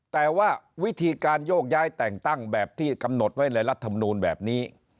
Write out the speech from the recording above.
แต่ว่าวิธีการโยกย้ายแต่งตั้งแบบที่กำหนดไว้ในรัฐมนูลแบบนี้